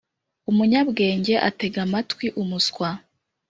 Umunyabwenge atega amatwi umuswa